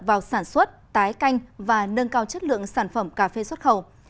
vào sản xuất tái canh và nâng cao chất lượng sản phẩm cà phê xuất khẩu